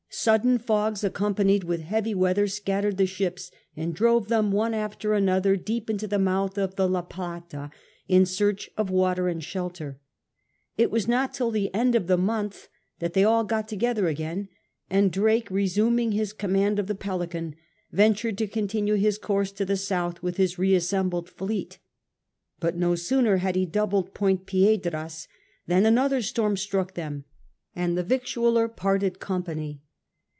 Sudden fogs, accompanied with heavy weather, scattered the ships and drove them one after another deep into the mouth of the La Plata in search of water and shelter. It was not till the end of the month . that they all got together again, and Drake, resuming his conmiand of the Pelican, ventured to continue his course to the south with his reassembled fleet ; but no sooner had he doubled Point Piedras than another storm struck them, and the victualler parted company.